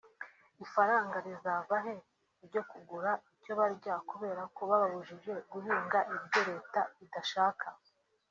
ifaranga rizava he ryo kugura icyo barya kubera ko babujijwe guhinga ibyo leta idashaka